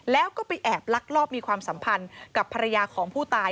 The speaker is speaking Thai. แล้วก็ไปแอบลักลอบมีความสัมพันธ์กับภรรยาของผู้ตาย